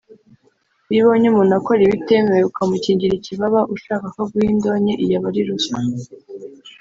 Iyo ubonye umuntu akora ibitemewe ukamukingira ikibaba ushaka ko aguha indonke iyo aba ari ruswa